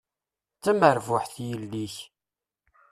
D tamerbuḥt yelli-k.